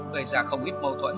gây ra không ít mâu thuẫn